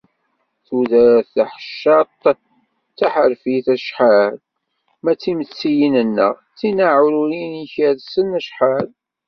Tudert taḥeccadt d taḥerfit acḥal, ma d timettiyin-nneɣ d tinaεurin ikersen acḥal!